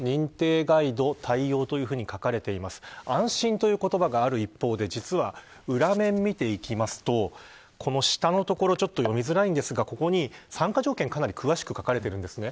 安心という言葉がある一方で実は裏面を見ていきますと下のところ読みづらいですがここに参加条件が、かなり詳しく書かれています。